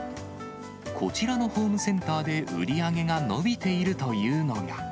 こちらのホームセンターで売り上げが伸びているというのが。